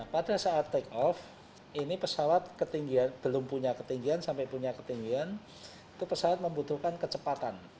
pada saat take off ini pesawat ketinggian belum punya ketinggian sampai punya ketinggian itu pesawat membutuhkan kecepatan